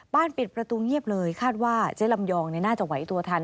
ปิดประตูเงียบเลยคาดว่าเจ๊ลำยองน่าจะไหวตัวทัน